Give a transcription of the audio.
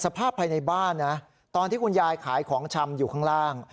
ภายในบ้านนะตอนที่คุณยายขายของชำอยู่ข้างล่าง